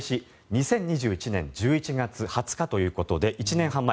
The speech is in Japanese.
２０２１年１１月２０日ということで１年半前。